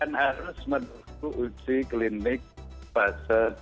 nah kan harus menurutku uji klinik fase tiga